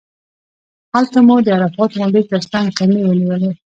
هلته مو د عرفات غونډۍ تر څنګ خیمې ونیولې.